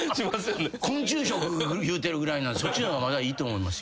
昆虫食いうてるぐらいなんでそっちの方がまだいいと思いますよ。